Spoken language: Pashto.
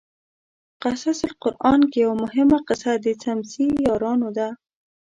قصص القران کې یوه مهمه قصه د څمڅې یارانو ده.